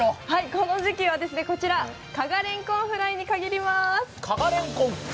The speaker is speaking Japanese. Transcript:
この時期はこちら、加賀れんこんフライに限りまーす。